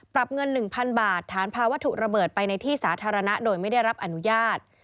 ปรับเงิน๑๐๐๐บาทฐานพาวัตถุระเบิดไปในที่สาธารณะโดยไม่ได้รับอนุญาต